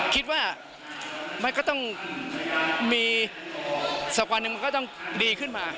คิดว่ามันก็ต้องมีสักวันหนึ่งมันก็ต้องดีขึ้นมา